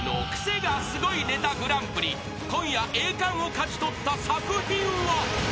［今夜栄冠を勝ち取った作品は］